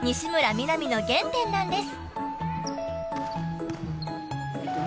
弥菜美の原点なんです。